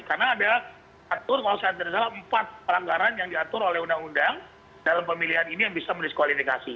karena ada atur kalau saya tidak salah empat pelanggaran yang diatur oleh undang undang dalam pemilihan ini yang bisa mendiskualifikasi